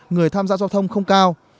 người tham gia giao thông không cao